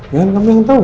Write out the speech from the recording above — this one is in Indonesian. ya kamu yang tau